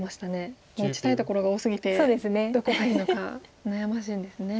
もう打ちたいところが多すぎてどこがいいのか悩ましいんですね。